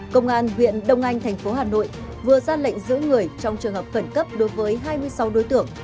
công an huyện đông anh thành phố hà nội vừa ra lệnh giữ người trong trường hợp khẩn cấp đối với hai mươi sáu đối tượng